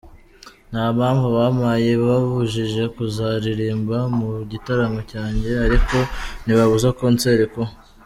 Ntampamvu bampaye ibabujije kuzaririmba mu gitaramo cyanjye, ariko ntibabuza concert kuba.